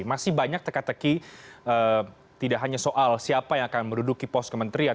masih banyak teka teki tidak hanya soal siapa yang akan menduduki pos kementerian